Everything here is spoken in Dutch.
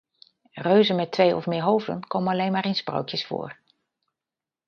Reuzen met twee of meer hoofden komen alleen maar in sprookjes voor.